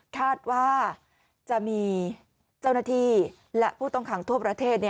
คาดว่าจะมีเจ้าหน้าที่และผู้ต้องขังทั่วประเทศ